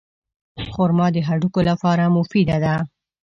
خرما د هډوکو لپاره مفیده ده.